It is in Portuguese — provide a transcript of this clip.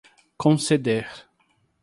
conceder